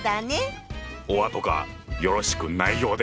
おあとがよろしくないようで！